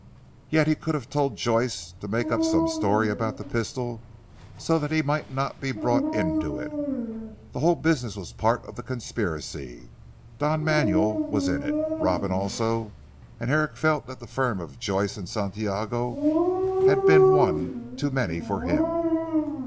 Yet he could have told Joyce to make up some story about the pistol so that he might not be brought into it. The whole business was part of the conspiracy. Don Manuel was in it, Robin also, and Herrick felt that the firm of Joyce and Santiago had been one too many for him.